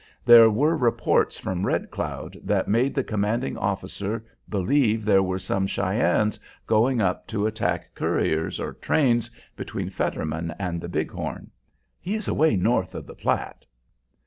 There were reports from Red Cloud that made the commanding officer believe there were some Cheyennes going up to attack couriers or trains between Fetterman and the Big Horn. He is away north of the Platte."